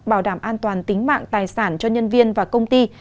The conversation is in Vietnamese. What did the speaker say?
bảo đảm an toàn tính mạng tài sản cho nhân viên và công ty